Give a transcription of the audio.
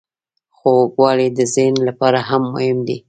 خوږوالی د ذهن لپاره هم مهم دی.